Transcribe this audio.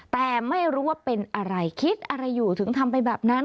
แต่ไม่รู้ว่าเป็นอะไรคิดอะไรอยู่ถึงทำไปแบบนั้น